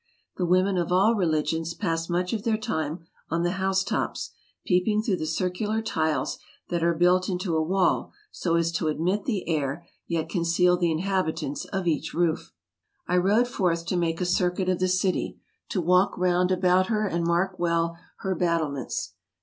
The women of all religions pass much of their time on the housetops, peeping through the circular tiles that are built into a wall so as to admit the air yet conceal the inhabitants of each roof. I rode forth to make a circuit of the city, " to walk round about her and mark well her battlements.